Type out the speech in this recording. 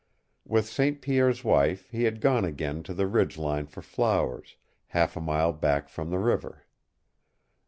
With St. Pierre's wife he had gone again to the ridge line for flowers, half a mile back from the river.